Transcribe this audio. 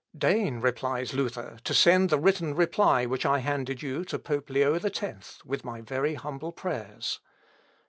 "Deign," replies Luther, "to send the written reply which I handed you to pope Leo X, with my very humble prayers."